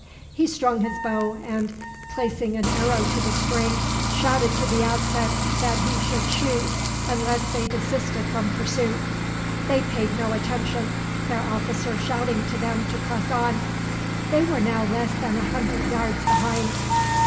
He strung his bow and, placing an arrow to the string, shouted to the Aztecs that he should shoot unless they desisted from pursuit. They paid no attention, their officer shouting to them to press on. They were now less than a hundred yards behind.